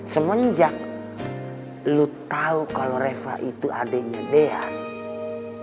semenjak lo tau kalo reva itu adeknya dean